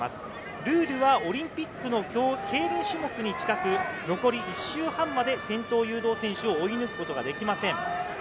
ルールはオリンピックのケイリン種目に近く、残り１周半まで先頭誘導選手を追い抜くことができません。